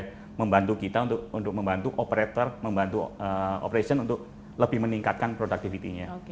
untuk membantu kita untuk membantu operator membantu operation untuk lebih meningkatkan produktivitinya